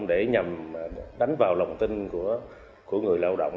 để nhằm đánh vào lòng tin của người lao động